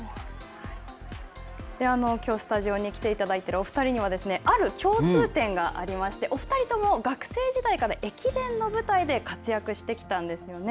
きょう、スタジオに来ていただいてるお２人には、ある共通点がありまして、お二人とも学生時代から駅伝の舞台で活躍してきたんですよね。